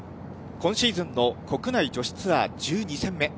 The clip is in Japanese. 今シーズンの国内女子ツアー１２戦目。